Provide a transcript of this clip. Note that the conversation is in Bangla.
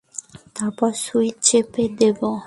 তারপর সুইচ চেপে দেব।